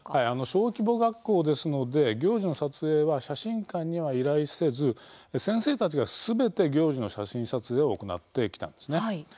小規模学校ですので行事の撮影は写真館には依頼せず先生たちが、すべて行事の写真撮影を行ってきたんです。